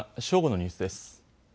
正午のニュースです。